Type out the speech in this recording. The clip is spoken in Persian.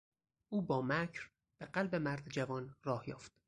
او با مکر به قلب مرد جوان راه یافت.